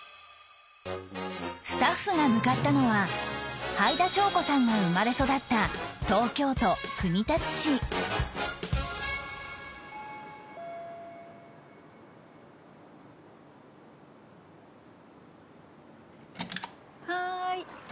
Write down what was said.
スタッフが向かったのははいだしょうこさんが生まれ育ったはーい！